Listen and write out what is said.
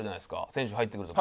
選手入ってくる時。